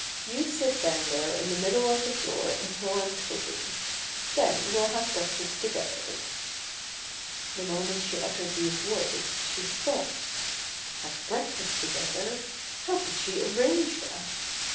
You sit down there in the middle of the floor until I'm through. Then we'll have breakfast to gether." The moment she uttered these words she stopped. Have breakfast together? How could she arrange that?